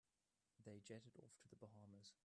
They jetted off to the Bahamas.